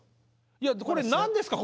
いやこれ何ですか？